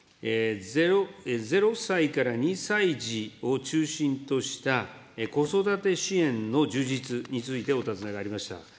０歳から２歳児を中心とした、子育て支援の充実についてお尋ねがありました。